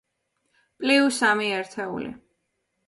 პლიუს სამი ერთეული.